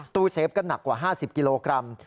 ตู้เซฟก็หนักกว่า๕๐กิโลกรัม